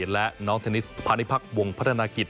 และน้องเทนนิสพาณิพักษ์วงพัฒนากิจ